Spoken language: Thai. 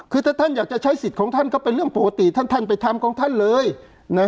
คือถ้าท่านอยากจะใช้สิทธิ์ของท่านก็เป็นเรื่องปกติท่านท่านไปทำของท่านเลยนะ